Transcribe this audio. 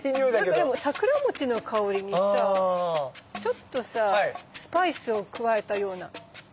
なんかでも桜もちの香りにさちょっとさスパイスを加えたような。